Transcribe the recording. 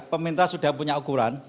pemerintah sudah punya ukuran